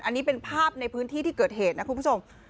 อันนี้เป็นภาพในพื้นที่ที่เกิดเหตุนะคุณผู้ชม